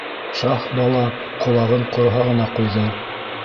Шаһбала ҡолағын ҡорһағына ҡуйҙы.